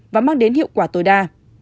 và mang đến hiệu quả tối đa